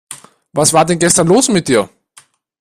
Was war denn gestern los mit dir?